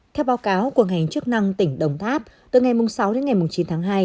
theo báo cáo của ngành chức năng tỉnh đồng tháp từ ngày sáu đến ngày chín tháng hai